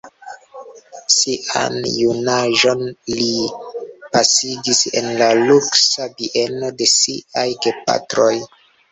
Sian junaĝon li pasigis en la luksa bieno de siaj gepatroj.